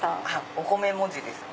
お米文字ですね。